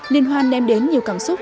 liên hoan đem đến nhiều cảm xúc